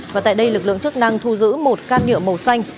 và tại đây lực lượng chức năng thu giữ một can nhựa màu xanh